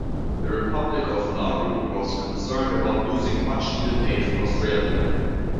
The Republic of Nauru was concerned about losing much-needed aid from Australia.